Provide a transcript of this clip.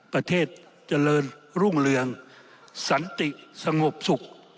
ประเทศเจริญรุ่งเรืองสันติสงบสุข